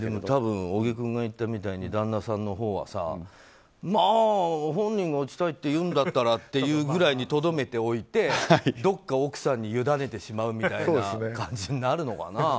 たぶん、小木君が言ったみたいに旦那さんのほうはまあ本人が打ちたいっていうならってぐらいにとどめておいてどこか奥さんに委ねてしまうみたいな感じになるのかな。